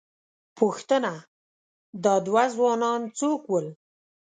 _پوښتنه، دا دوه ځوانان څوک ول؟